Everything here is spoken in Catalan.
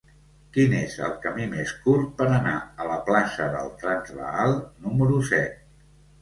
Quin és el camí més curt per anar a la plaça del Transvaal número set?